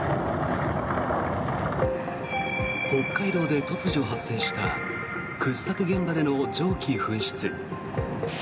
北海道で突如発生した掘削現場での蒸気噴出。